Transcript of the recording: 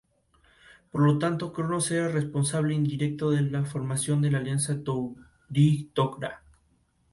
El programa ganó la atención debido a los populares jueces.